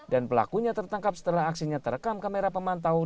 dan pelakunya tertangkap setelah aksinya terekam kamera pemantau